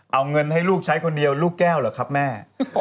เอาเงินให้ลูกใช้คนเดียวลูกแก้วเหรอครับแม่